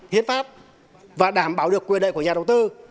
hiến pháp và đảm bảo được quyền đệ của nhà đầu tư